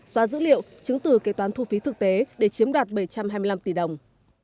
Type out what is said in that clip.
xóa dữ liệu chứng từ kế toán thu phí thực tế để chiếm đoạt bảy trăm hai mươi năm tỷ đồng